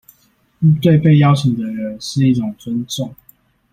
對被邀請的人是一種尊重